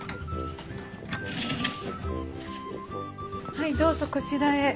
はいどうぞこちらへ。